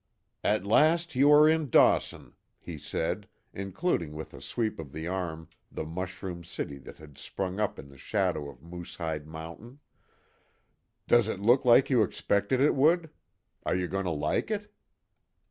"At last you are in Dawson," he said, including with a sweep of the arm the mushroom city that had sprung up in the shadow of Moosehide Mountain, "Does it look like you expected it would? Are you going to like it?"